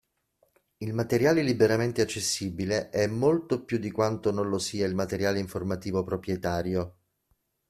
Il materiale liberamente accessibile è molto più di quanto non lo sia il materiale informativo proprietario.